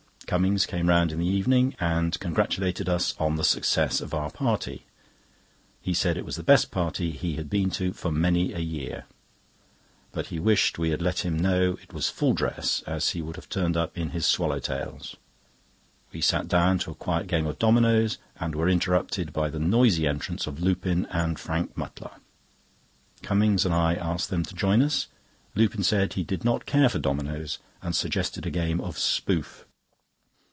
Cummings came round in the evening, and congratulated us on the success of our party. He said it was the best party he had been to for many a year; but he wished we had let him know it was full dress, as he would have turned up in his swallow tails. We sat down to a quiet game of dominoes, and were interrupted by the noisy entrance of Lupin and Frank Mutlar. Cummings and I asked them to join us. Lupin said he did not care for dominoes, and suggested a game of "Spoof."